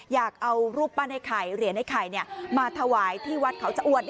อยากเอารูปปั้นไอ้ไข่เหรียญไอ้ไข่มาถวายที่วัดเขาจะอวด